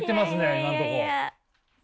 今のとこ。